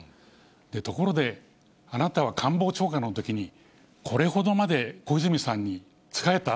ところで、あなたは官房長官のときに、これほどまで小泉さんに仕えた？